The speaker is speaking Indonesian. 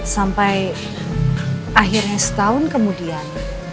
sampai akhirnya setahun kemudian